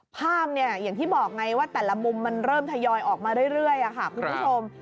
ภาพเนี่ยอย่างที่บอกไงว่าแต่ละมุมมันเริ่มทยอยออกมาเรื่อยค่ะคุณผู้ชม